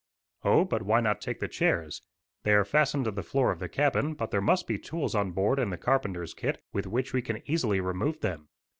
"Oh, but why not take the chairs? They are fastened to the floor of the cabin, but there must be tools on board in the carpenter's kit, with which we can easily remove them.